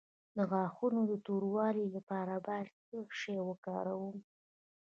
د غاښونو د توروالي لپاره باید څه شی وکاروم؟